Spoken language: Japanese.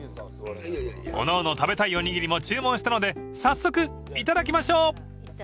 ［おのおの食べたいおにぎりも注文したので早速頂きましょう］